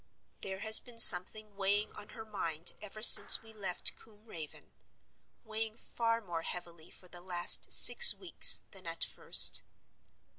"There has been something weighing on her mind ever since we left Combe Raven—weighing far more heavily for the last six weeks than at first.